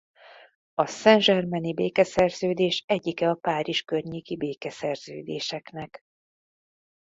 A saint-germaini békeszerződés egyike a Párizs környéki békeszerződéseknek.